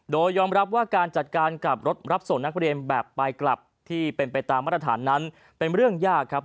โดยยอมรับว่าการจัดการกับรถรับส่งนักเรียนแบบไปกลับที่เป็นไปตามมาตรฐานนั้นเป็นเรื่องยากครับ